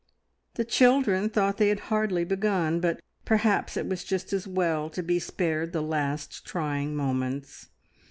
The children thought they had hardly begun; but perhaps it was just as well to be spared the last trying moments.